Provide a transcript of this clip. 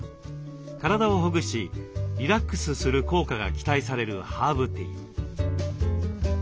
体をほぐしリラックスする効果が期待されるハーブティー。